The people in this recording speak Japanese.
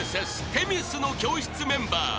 『女神の教室』メンバー］